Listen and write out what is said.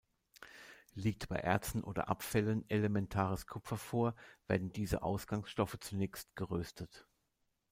Liegt bei Erzen oder Abfällen elementares Kupfer vor, werden diese Ausgangsstoffe zunächst geröstet.